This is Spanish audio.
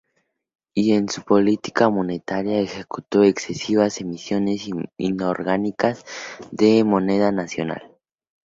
Y en su política monetaria, ejecutó excesivas emisiones inorgánicas de moneda nacional.